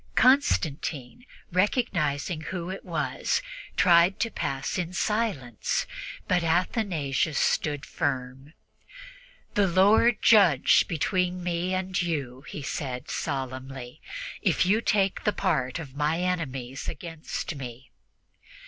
Constantine, recognizing who it was, tried to pass in silence, but Athanasius stood firm. "The Lord judge between me and you," he said solemnly, "if you take the part of my enemies against me."